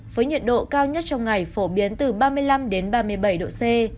với nhiệt độ cao nhất trong ngày phổ biến từ ba mươi năm ba mươi bảy độ c